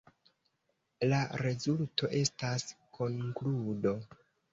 La rezulto estas konkludo.